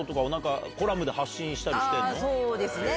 そうですね